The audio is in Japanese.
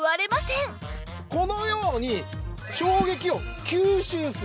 このように衝撃を吸収する。